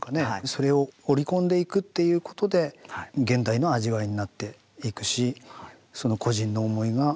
それを織り込んでいくっていうことで現代の味わいになっていくしその個人の思いがきちんと。